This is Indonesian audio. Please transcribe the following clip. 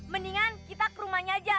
mendingan kita ke rumahnya aja